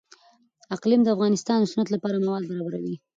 اقلیم د افغانستان د صنعت لپاره مواد برابروي.